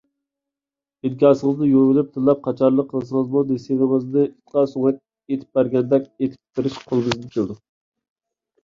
ئىنكاسىڭىزنى يۇيۇۋېلىپ تىللاپ قاچارلىق قىلسىڭىزمۇ نېسىۋېڭىزنى ئىتقا سۆڭەك ئېتىپ بەرگەندەك ئېتىپ بېرىش قولىمىزدىن كېلىدۇ.